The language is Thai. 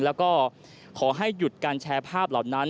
แล้วก็ขอให้หยุดการแชร์ภาพเหล่านั้น